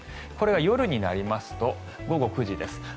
これが夜になりますと午後９時です。